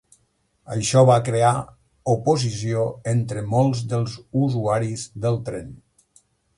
Això va crear oposició entre molts dels usuaris del tren.